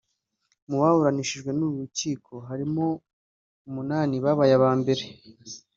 Mu baburanishijwe n’uru rukiko harimo umunani babaye abere